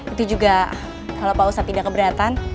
itu juga kalau pak ustadz tidak keberatan